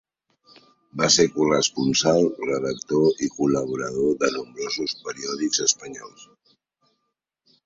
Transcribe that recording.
Va ser corresponsal, redactor i col·laborador de nombrosos periòdics espanyols.